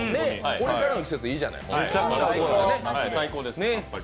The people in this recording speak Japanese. これからの季節にいいじゃないかと。